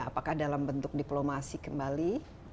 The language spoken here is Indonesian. apakah dalam bentuk diplomasi kembali